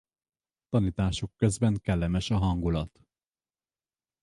Tanításuk közben kellemes a hangulat.